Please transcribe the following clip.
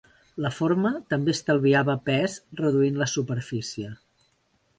La forma també estalviava pes reduint la superfície.